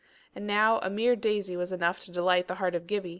And now a mere daisy was enough to delight the heart of Gibbie.